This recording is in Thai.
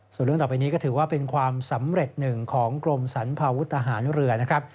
ส่วนเรื่องต่อไปนี้ก็ถือว่าเป็นความสำเร็จหนึ่งของกรมสรรพาวุฒหารเรือนะครับ